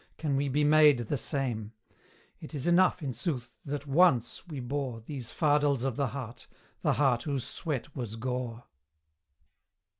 can we be made the same: It is enough, in sooth, that ONCE we bore These fardels of the heart the heart whose sweat was gore.